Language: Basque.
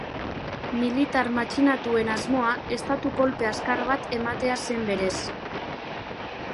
Militar matxinatuen asmoa estatu kolpe azkar bat ematea zen berez.